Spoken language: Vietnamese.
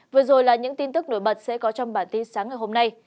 vừa rồi là những tin tức nổi bật sẽ có trong bản tin sáng ngày hôm nay